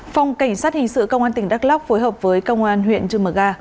phòng cảnh sát hình sự công an tỉnh đắk lóc phối hợp với công an huyện cư mờ ga